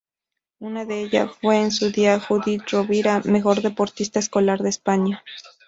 Una de ella fue en su día Judith Rovira, mejor deportista escolar de España.